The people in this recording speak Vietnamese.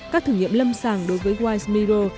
các thử nghiệm lâm sàng đối với white mirror